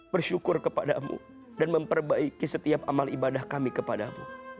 bersyukur kepada mu dan memperbaiki setiap amal ibadah kami kepada mu